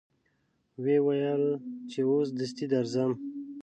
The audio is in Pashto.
و یې ویل چې اوس دستي درځم.